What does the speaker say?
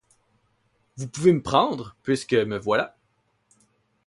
Vous pouvez me prendre, puisque me voilà.